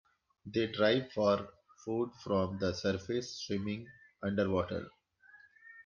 They dive for food from the surface, swimming underwater.